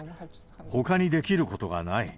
ほかにできることがない。